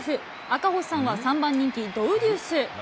赤星さんが３番人気、ドウデュース。